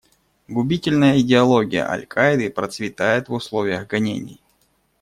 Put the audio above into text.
Губительная идеология «Аль-Каиды» процветает в условиях гонений.